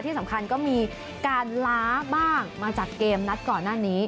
ที่สำคัญก็มีการล้าบ้างมาจากเกมนัดก่อนหน้านี้